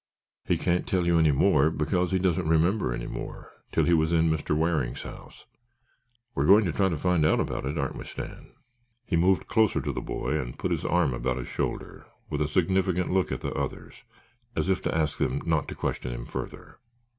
"He can't tell you any more because he doesn't remember any more till he was in Mr. Waring's house. We're going to try to find out about it, aren't we. Stan?" He moved closer to the boy and put his arm about his shoulder with a significant look at the others as if to ask them not to question him further.